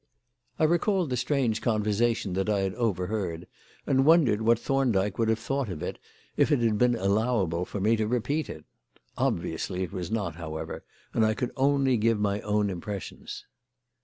I recalled the strange conversation that I had overheard, and wondered what Thorndyke would have thought of it if it had been allowable for me to repeat it. Obviously it was not, however, and I could only give my own impressions.